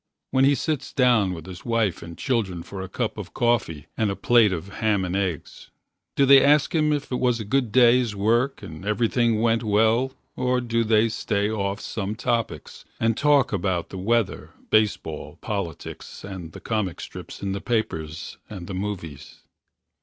When he sits down with his wife and Children for a cup of coffee and a Plate of ham and eggs, do they ask Him if it was a good day's work And everything went well or do they Stay off some topics and kill about The weather, baseball, politics And the comic strips in the papers And the movies?